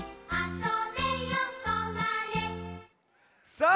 さあ！